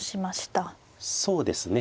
そうですね。